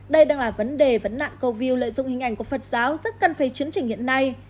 đây đang là vấn đề vấn nạn câu view lợi dụng hình ảnh của phật giáo rất cần phải chấn chỉnh hiện nay